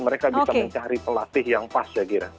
mereka bisa mencari pelatih yang pas saya kira